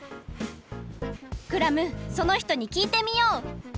クラムそのひとにきいてみよう！